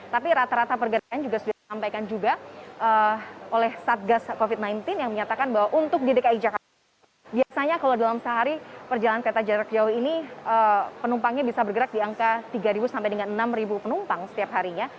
tapi rata rata pergerakan juga sudah disampaikan juga oleh satgas covid sembilan belas yang menyatakan bahwa untuk di dki jakarta biasanya kalau dalam sehari perjalanan kereta jarak jauh ini penumpangnya bisa bergerak di angka tiga sampai dengan enam penumpang setiap harinya